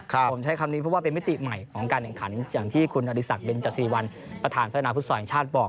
ผมใช้คำนี้เพราะว่าเป็นมิติใหม่ของการแข่งขันอย่างที่คุณอริสักเบนจสีวัลประธานพัฒนาฟุตซอลแห่งชาติบอก